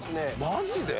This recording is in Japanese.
マジで？